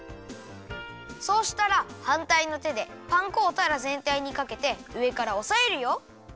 そうしたらはんたいのてでパン粉をたらぜんたいにかけてうえからおさえるよ。